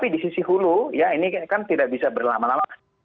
tapi di sisi hulu ya ini kan tidak bisa berlama lama